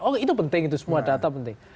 oh itu penting itu semua data penting